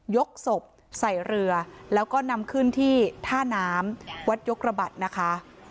ยกศพใส่เรือแล้วก็นำขึ้นที่ท่าน้ำวัดยกระบัดนะคะ